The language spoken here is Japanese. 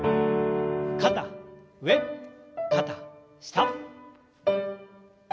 肩上肩下。